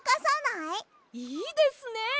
いいですねえ！